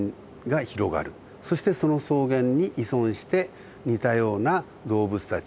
そしてその草原に依存して似たような動物たち